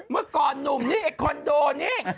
เมื่อก่อนหนุ่มนี่ไอ้คอนโดนี่